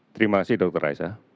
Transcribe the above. terima kasih dr raisa